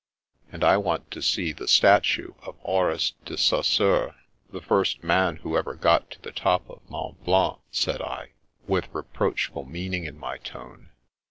"And I want to see the statue of Horace de Saus sure, the first man who ever got to the top of Mont Blanc," said I, with reproachful meaning in my tone.